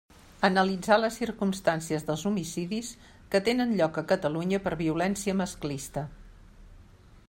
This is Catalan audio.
Analitzar les circumstàncies dels homicidis que tenen lloc a Catalunya per violència masclista.